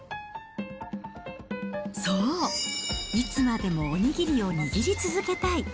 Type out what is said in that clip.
そう、いつまでもお握りを握り続けたい。